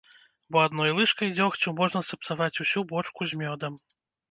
Бо адной лыжкай дзёгцю можна сапсаваць усю бочку з мёдам.